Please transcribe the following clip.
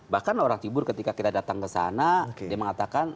bahkan orang tibur ketika kita datang ke sana dia mengatakan